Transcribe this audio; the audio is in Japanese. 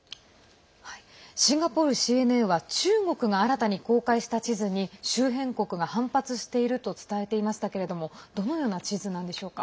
シンガポールＣＮＡは中国が新たに公開した地図に周辺国が反発していると伝えていましたけれどもどのような地図なんでしょうか。